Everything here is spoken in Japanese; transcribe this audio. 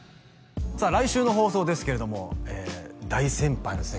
さあ来週の放送ですけれども大先輩のですね